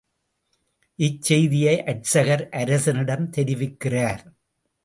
இச்செய்தியை அர்ச்சகர் அரசனிடம் தெரிவிக்கிறார்.